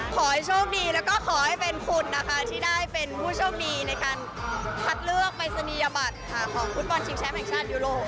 ขอให้โชคดีแล้วก็ขอให้เป็นคุณนะคะที่ได้เป็นผู้โชคดีในการคัดเลือกปริศนียบัตรค่ะของฟุตบอลชิงแชมป์แห่งชาติยูโร